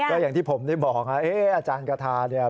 ก็อย่างที่ผมได้บอกอาจารย์กระทาเนี่ย